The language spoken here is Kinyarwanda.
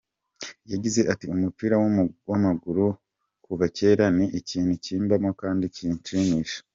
Yagize ati "Umupira w’amaguru kuva kera ni ikintu kimbamo kandi kinshimisha.